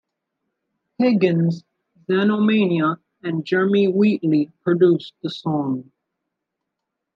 Higgins, Xenomania and Jeremy Wheatley produced the song.